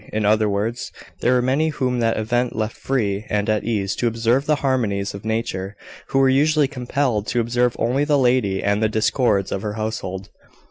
In other words, there were many whom that event left free and at ease to observe the harmonies of nature, who were usually compelled to observe only the lady, and the discords of her household.